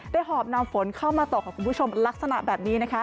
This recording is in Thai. หอบนำฝนเข้ามาตกของคุณผู้ชมลักษณะแบบนี้นะคะ